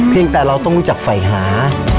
แต่เราต้องรู้จักฝ่ายหา